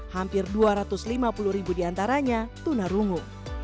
hampir dua ratus lima puluh ribu diantaranya tunarungu